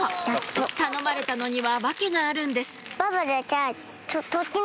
頼まれたのには訳があるんです